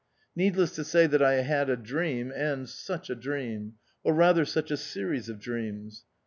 Needless to say that I had a dream, and such a dream ! or rather such a series of dreams!